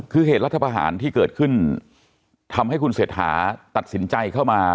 คือเหตุรัฐประหารที่เกิดขึ้นทำให้คุณเศรษฐาตัดสินใจเข้ามา